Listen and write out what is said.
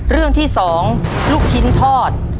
เรื่องที่๒ลูกชิ้นทอด